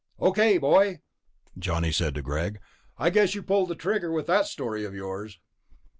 "Okay, boy," Johnny said to Greg, "I guess you pulled the trigger with that story of yours."